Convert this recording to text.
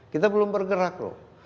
kita belum bergerak loh